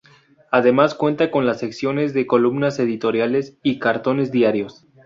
Además cuenta con las secciones de columnas editoriales y cartones diarios.